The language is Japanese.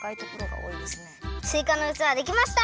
すいかのうつわできました！